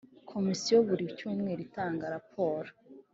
Komisiyo buri cyumweru itanga raporo.